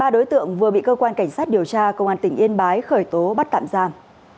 ba đối tượng vừa bị cơ quan cảnh sát điều tra công an tỉnh yên bái khởi tố bắt tạm giam